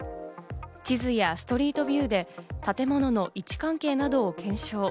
地図やストリートビューで建物の位置関係などを検証。